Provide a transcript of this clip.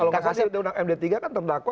kalau pas ini sudah undang md tiga kan terdakwa